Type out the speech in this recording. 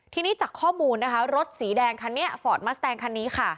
ทีนี้จากข้อมูลรถสีแดงฟอร์ตมัสแตงคันนี้